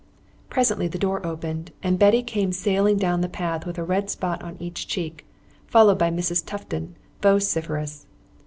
Presently the door opened, and Betty came sailing down the path with a red spot on each cheek, followed by Mrs. Tufton, vociferous.